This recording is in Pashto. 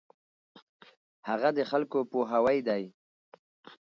هغه د خلکو پوهاوی دی.